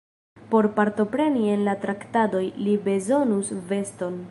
Por partopreni en la traktadoj, li bezonus veston.